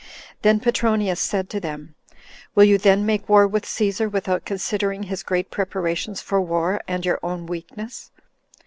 Then Petronius said to them, "Will you then make war with Cæsar, without considering his great preparations for war, and your own weakness?"